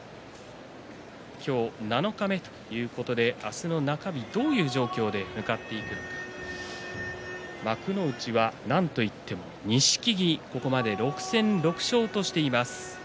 今日、七日目ということで明日の中日どういう状況で向かっていくか幕内は何といっても錦木ここまで６戦６勝としています。